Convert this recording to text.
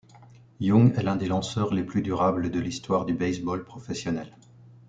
Young est l'un des lanceurs les plus durables de l'histoire du baseball professionnel.